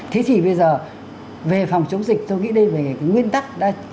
thế thì bây giờ về phòng chống dịch tôi nghĩ đây về cái nguyên tắc